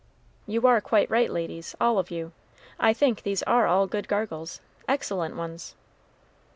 "You are quite right, ladies, all of you. I think these are all good gargles excellent ones."